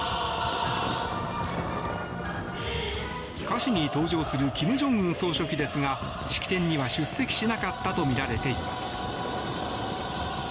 歌詞に登場する金正恩総書記ですが式典には出席しなかったとみられています。